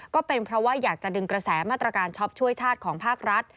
ก็เป็นเพราะว่าอยากจะดึงกระแสมาตรการช็อปช่วยชาติของภาครัฐ